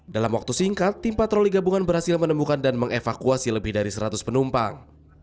dalam waktu singkat tim patroli gabungan berhasil menemukan dan mengevakuasi lebih dari seratus penumpang